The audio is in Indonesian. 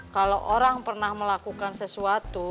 kalau orang pernah melakukan sesuatu